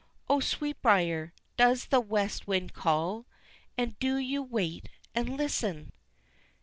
O Sweetbriar, does the west wind call, And do you wait and listen?"